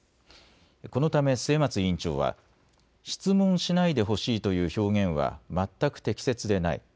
このため末松委員長は質問しないでほしいという表現は全く適切でない。